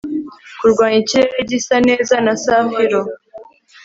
Kurwanya ikirere gisa neza na safiro